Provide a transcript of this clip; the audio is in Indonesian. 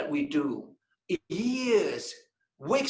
itu adalah kemahiran yang kita lakukan